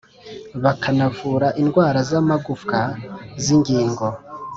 Bakanavura indwara z amagufwa z ingingo